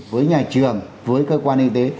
với nhà trường với cơ quan y tế